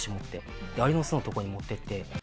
アリの巣のとこに持ってって。